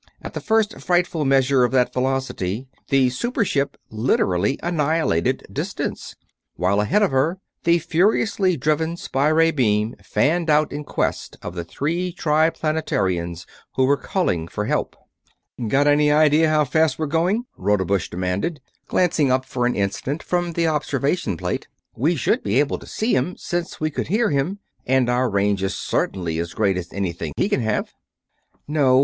At the full frightful measure of that velocity the super ship literally annihilated distance, while ahead of her the furiously driven spy ray beam fanned out in quest of the three Triplanetarians who were calling for help. "Got any idea how fast we're going?" Rodebush demanded, glancing up for an instant from the observation plate. "We should be able to see him, since we could hear him, and our range is certainly as great as anything he can have." "No.